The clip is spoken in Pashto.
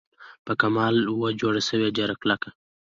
په کمال وه جوړه سوې ډېره کلکه